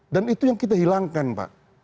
dan itu yang kita hilangkan pak